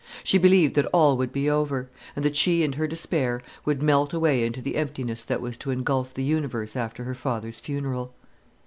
She believed that all would be over; and that she and her despair would melt away into the emptiness that was to engulf the universe after her father's funeral.